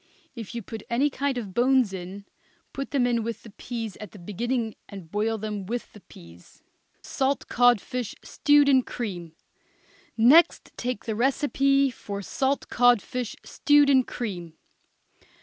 If you put any kind of bones in, put them in with the peas at the beginning and boil them with the peas. SALT CODFISH, STEWED IN CREAM. Next take the recipe for salt codfish, stewed in cream.